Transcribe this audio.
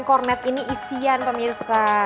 kornet ini isian pemirsa